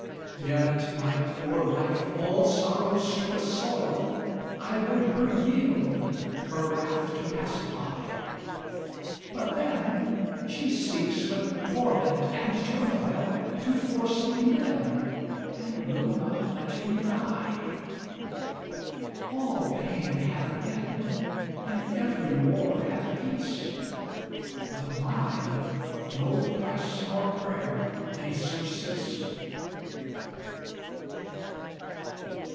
Yet my poor life, all sorrows to assoyle, I would her yield, her wrath to pacify: But then she seeks with torment and turmoil, To force me live, and will not let me die. All pain hath end and every war hath peace, But mine no price nor prayer may surcease.